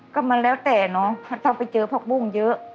ก็มันแล้วแต่เนาะถ้าไปเจอผักบุ้งเยอะ